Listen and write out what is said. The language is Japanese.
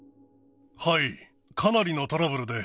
はい、かなりのトラブルで。